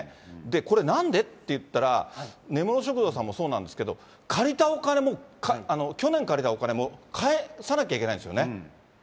これなんで？っていったら、根室食堂さんもそうなんですけれども、借りたお金も、去年借りたお金も返さなきゃいけないんですよね。